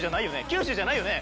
九州じゃないよね？